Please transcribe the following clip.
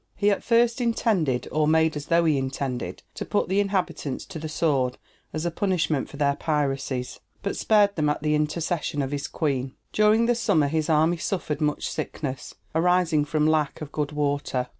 He at first intended, or made as though he intended, to put the inhabitants to the sword as a punishment for their piracies, but spared them at the intercession of his queen. During the summer his army suffered much sickness, arising from lack of good water.